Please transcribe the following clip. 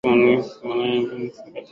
Sijaanza bado